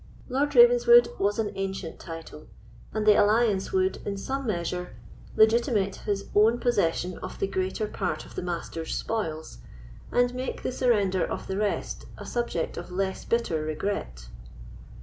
Lord Ravenswood was an ancient title, and the alliance would, in some measure, legitimate his own possession of the greater part of the Master's spoils, and make the surrender of the rest a subject of less bitter regret."